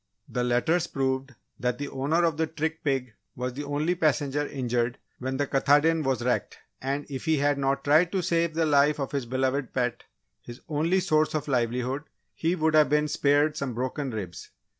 The letters proved that the owner of the trick pig was the only passenger injured when the Katahdin was wrecked, and if he had not tried to save the life of his beloved pet his only source of livelihood, he would have been spared some broken ribs.